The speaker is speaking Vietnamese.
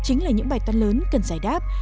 chính là những bài toán lớn cần giải đáp